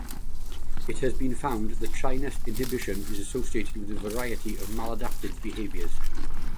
It has been found that shyness-inhibition is associated with a variety of maladaptive behaviors.